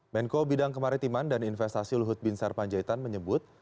menko bidang kemaritiman dan investasi luhut bin sarpanjaitan menyebut